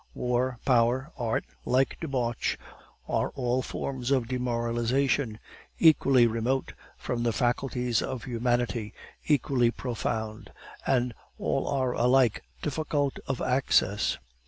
War, Power, Art, like Debauch, are all forms of demoralization, equally remote from the faculties of humanity, equally profound, and all are alike difficult of access.